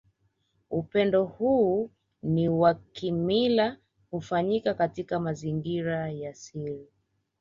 Upendo huu ni wa kimila hufanyika katika mazingira ya siri